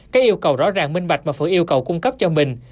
các yêu cầu rõ ràng minh bạch mà phải yêu cầu cung cấp cho mình